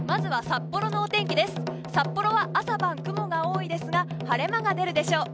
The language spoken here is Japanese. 札幌は朝晩、雲が多いですが晴れ間が出るでしょう。